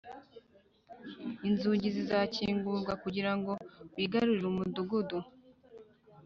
Inzugi zizakingurwa kugira ngo wigarurire umudugudu